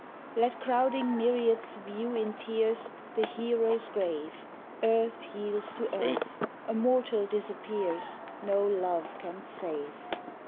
Let crowding myriads view in tears, The hero's grave; Earth yields to earth; a mortal disappears, No love can save.